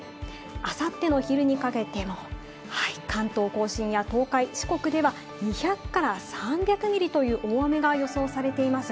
あさっての昼にかけての関東甲信や東海、四国では２００から３００ミリという大雨が予想されています。